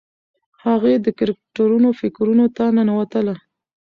هغې د کرکټرونو فکرونو ته ننوتله.